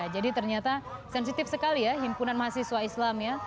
jadi ternyata sensitif sekali ya himpunan mahasiswa islam ya